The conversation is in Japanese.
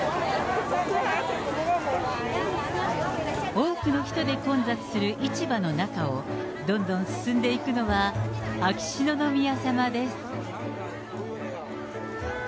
多くの人で混雑する市場の中を、どんどん進んでいくのは、秋篠宮さまです。